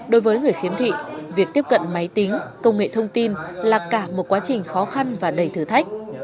đối với người khiếm thị việc tiếp cận máy tính công nghệ thông tin là cả một quá trình khó khăn và đầy thử thách